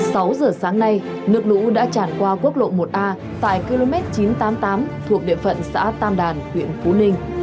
sau sáu giờ sáng nay nước lũ đã tràn qua quốc lộ một a tại km chín trăm tám mươi tám thuộc địa phận xã tam đàn huyện phú ninh